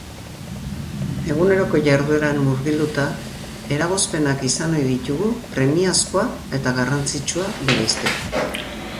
Eguneroko jardueran murgilduta eragozpenak izan ohi ditugu premiazkoa eta garrantzitsua bereizteko.